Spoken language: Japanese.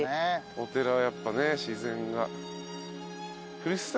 お寺やっぱね自然が。